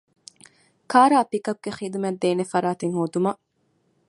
ކާރާއި ޕިކަޕްގެ ޚިދުމަތްދޭނެ ފަރާތެއް ހޯދުމަށް